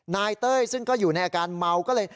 เต้ยซึ่งก็อยู่ในอาการเมาก็เลย